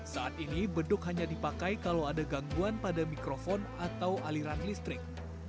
saat ini beduk hanya dipakai kalau ada gangguan pada mikrofon atau aliran listrik